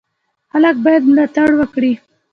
خلک باید ملاتړ وکړي.